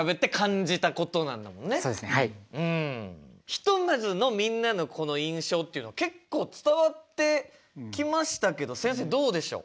ひとまずのみんなのこの印象っていうの結構伝わってきましたけど先生どうでしょう？